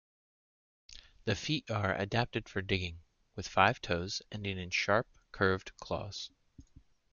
The feet are adapted for digging, with five toes ending in sharp, curved claws.